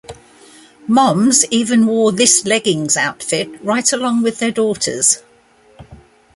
Moms even wore this leggings outfit right along with their daughters.